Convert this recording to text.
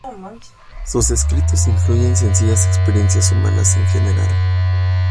Sus escritos incluyen sencillas experiencias humanas en general.